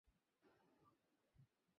ওই বলদের দিকে তাকাও।